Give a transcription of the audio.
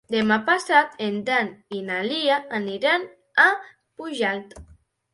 Demà passat en Dan i na Lia aniran a Pujalt.